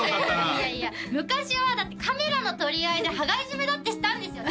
いやいや昔はだってカメラの取り合いで羽交い締めだってしたんですよ